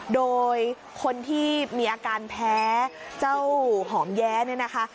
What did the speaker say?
โดยคนที่มีอาการแพ้เจ้าหอมแย้เนี่ยนะคะ